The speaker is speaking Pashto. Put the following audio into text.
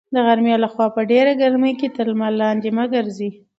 د غرمې لخوا په ډېره ګرمۍ کې تر لمر لاندې مه ګرځئ.